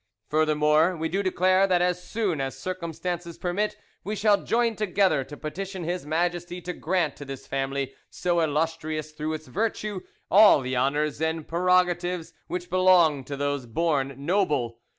Furthermore, we do declare that as soon as circumstances permit we shall join together to petition His Majesty to grant to this family, so illustrious through its virtue, all the honours and prerogatives which belong to those born noble.